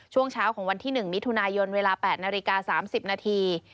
ช่วงเช้าของวันที่๑มิถุนายนเวลา๘นาฬิกา๓๐นาที